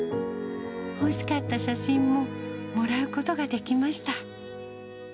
欲しかった写真も、もらうことができました。